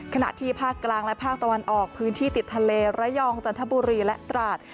ขณะที่ภาคกลางและภาคตะวันออกพื้นที่ติดทะเลระยองจันทบุรีและตราด